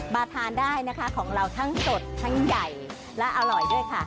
มาทานได้นะคะของเราทั้งสดทั้งใหญ่และอร่อยด้วยค่ะ